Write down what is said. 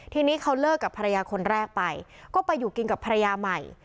ทีนี้เขาเลิกกับภรรยาคนแรกไปก็ไปอยู่กินกับภรรยาใหม่